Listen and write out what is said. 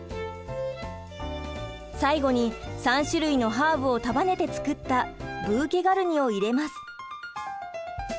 最後に３種類のハーブを束ねて作ったブーケガルニを入れます。